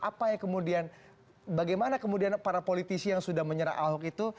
apa yang kemudian bagaimana kemudian para politisi yang sudah menyerang ahok itu